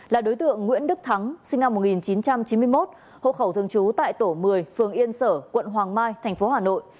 là đối tượng nguyễn đức thắng sinh năm một nghìn chín trăm chín mươi một hộ khẩu thường trú tại tổ một mươi phường yên sở quận hoàng mai tp hà nội